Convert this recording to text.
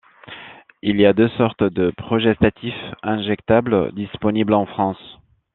Il y a deux sortes de progestatifs injectables disponibles en France.